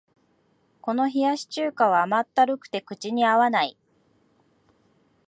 この冷やし中華は甘ったるくて口に合わない